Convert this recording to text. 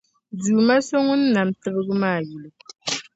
Duuma so Ŋun nam tibgi maa yuli.